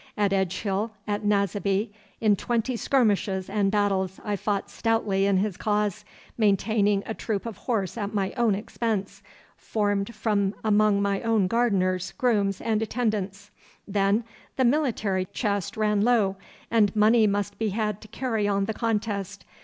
At Edgehill, at Naseby, in twenty skirmishes and battles, I fought stoutly in his cause, maintaining a troop of horse at my own expense, formed from among my own gardeners, grooms, and attendants. Then the military chest ran low, and money must be had to carry on the contest.